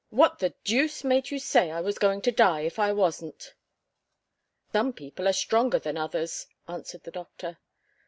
"What the deuce made you say I was going to die, if I wasn't?" "Some people are stronger than others," answered the doctor.